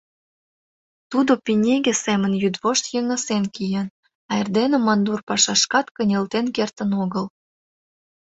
Тудо пинеге семын йӱдвошт йыҥысен киен, а эрдене мандур пашашкат кынелтен кертын огыл.